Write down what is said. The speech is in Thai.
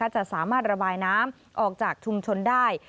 จะสามารถระบายน้ำออกจากชุมชนได้